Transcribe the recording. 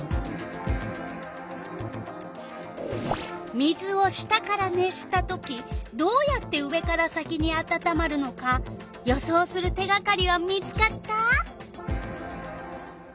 水を下から熱したときどうやって上から先にあたたまるのか予想する手がかりは見つかった？